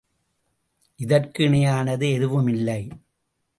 இதற்கு இணையானது எதுவும் இல்லை.